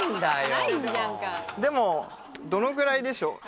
もうでもどのぐらいでしょう？